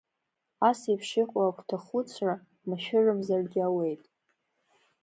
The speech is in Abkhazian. Асеиԥш иҟоу агәҭахәыцра машәырымзаргьы ауеит.